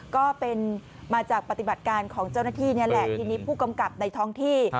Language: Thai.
ก็เป็นมาจากปฏิบัติการของเจ้าหน้าที่นี่แหละทีนี้ผู้กำกับในท้องที่